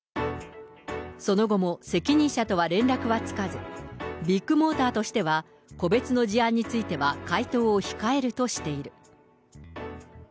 その後も責任者とは連絡はつかず、ビッグモーターとしては、個別の事案については回答を控えるとしている。